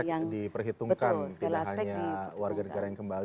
segala aspek diperhitungkan tidak hanya warga negara yang kembali